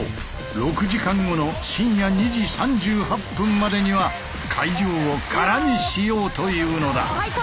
６時間後の深夜２時３８分までには会場を空にしようというのだ！